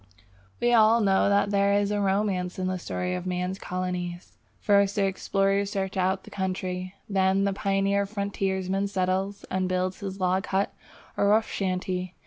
We all know that there is a romance in the story of man's colonies. First the explorer searches out the country; then the pioneer frontiersman settles and builds his log hut or rough shanty.